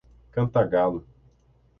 Cantagalo